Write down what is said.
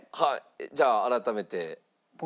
じゃあ改めて。